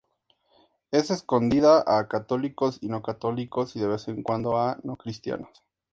Es concedida a católicos y no-católicos y, de vez en cuando, a no-cristianos.